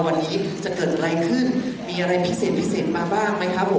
วันนี้จะเกิดอะไรขึ้นมีอะไรพิเศษมาบ้างไม่ครับ